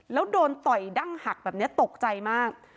แล้วโดนต่อยดั้งหักแบบนี้ตกใจมาก